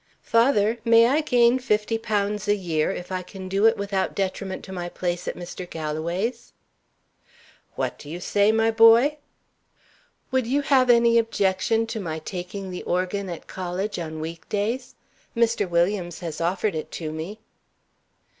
"Father, may I gain fifty pounds a year, if I can do it, without detriment to my place at Mr. Galloway's?" "What do you say, my boy?" "Would you have any objection to my taking the organ at college on week days? Mr. Williams has offered it to me."